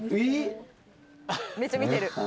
めっちゃ見てる。